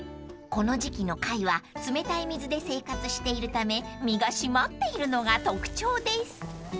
［この時季の貝は冷たい水で生活しているため身が締まっているのが特徴です］